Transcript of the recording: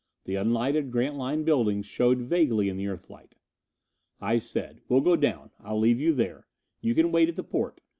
The unlighted Grantline buildings showed vaguely in the Earthlight. I said, "We'll go down, I'll leave you there. You can wait at the porte.